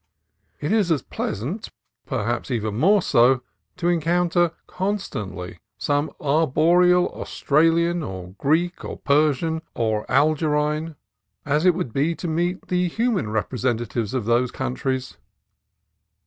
It is as pleasant — per haps more so — to encounter constantly some ar boreal Australian, or Greek, or Persian, or Algerine, as it would be to meet the human representatives of those countries.